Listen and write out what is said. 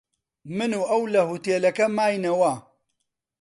من و ئەو لە هۆتێلەکە ماینەوە.